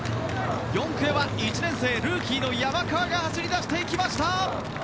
４区へは１年生のルーキーの山川が走り出していきました。